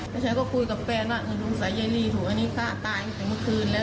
แล้วฉันก็คุยกับแฟนว่าสงสัยใยลี่ถูกอันนี้ฆ่าตายตั้งแต่เมื่อคืนแล้ว